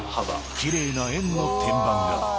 きれいな円の天板が。